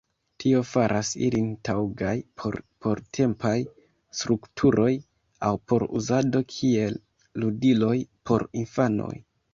Tio faras ilin taŭgaj por portempaj strukturoj, aŭ por uzado kiel ludiloj por infanoj.